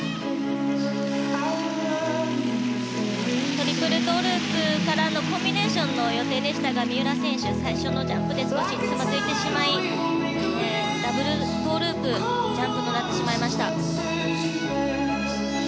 トリプルトウループからのコンビネーションの予定でしたが三浦選手、最初のジャンプで少しつまずいてしまいダブルトウループジャンプとなってしまいました。